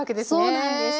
そうなんです。